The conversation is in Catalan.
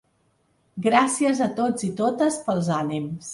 Gràcies a tots i totes pels ànims.